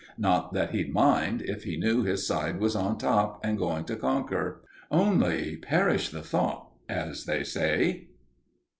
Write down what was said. Not that he'd mind, if he knew his side was on top and going to conquer. Only, perish the thought, as they say.